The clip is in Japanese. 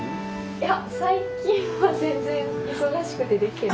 いや最近は全然忙しくてできてなくて。